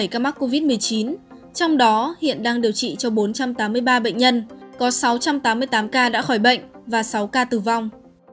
bảy mươi ca mắc covid một mươi chín trong đó hiện đang điều trị cho bốn trăm tám mươi ba bệnh nhân có sáu trăm tám mươi tám ca đã khỏi bệnh và sáu ca tử vong